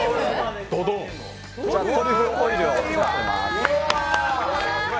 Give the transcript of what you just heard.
トリュフオイルを使っています。